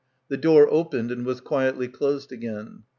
The door opened and was quietly closed again.